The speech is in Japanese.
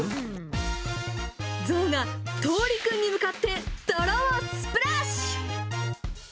ゾウがとうりくんに向かって泥をスプラッシュ！